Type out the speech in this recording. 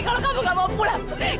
kalau kamu nggak mau pulang